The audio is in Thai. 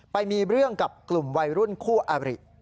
ไปมีเรื่องกับกลุ่มวัยรุ่นคู่อาริ